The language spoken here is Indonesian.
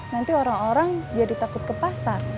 nanti orang orang jadi takut ke pasar